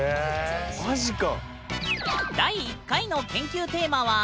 マジか！